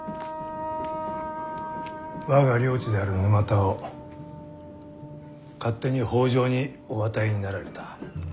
我が領地である沼田を勝手に北条にお与えになられた。